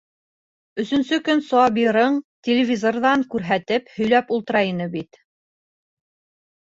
Өсөнсө көн Сабирың телевизорҙан күрһәтеп һөйләп ултыра ине бит.